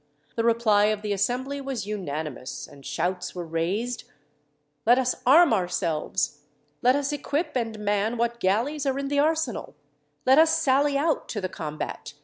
The reply of the assembly was unanimous; and shouts were raised: "Let us arm ourselves! Let us equip and man what galleys are in the arsenal! Let us sally out to the combat!